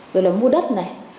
rồi là mua đất này